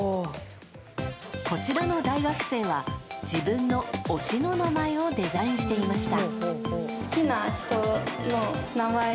こちらの大学生は自分の推しの名前をデザインしていました。